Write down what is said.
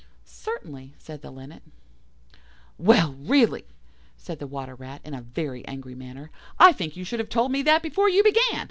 "Certainly," said the Linnet. "Well, really," said the Water rat, in a very angry manner, "I think you should have told me that before you began.